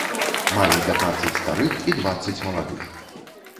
Маю пятнаццаць старых і дваццаць маладых.